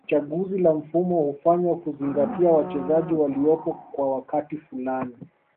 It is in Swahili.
Chaguzi la mfumo hufanywa kuzingatia wachezaji waliopo kwa wakati fulani